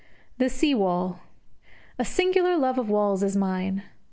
THE SEA WALL A singular love of walls is mine.